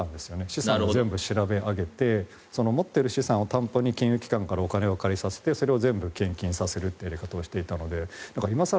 資産を全部調べ上げて持っている資産を担保に金融機関からお金を借りさせてそれを全部献金させるというやり方をしていたので今更